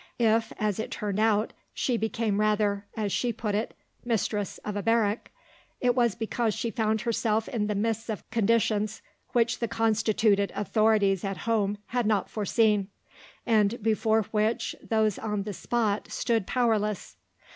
If, as it turned out, she became rather (as she put it) mistress of a barrack, it was because she found herself in the midst of conditions which the constituted authorities at home had not foreseen, and before which those on the spot stood powerless.